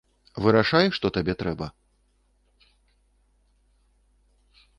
Вырашай, што табе трэба.